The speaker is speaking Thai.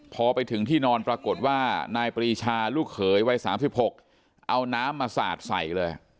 พอไปถึงที่นอนปรากฏว่านายปรีชาลูกเขยวัย๓๖เอาน้ำมาสาดใส่เลย